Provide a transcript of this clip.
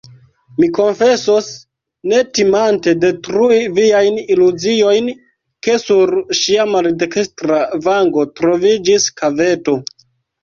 Mi konfesos, ne timante detrui viajn iluziojn, ke sur ŝia maldekstra vango troviĝis kaveto.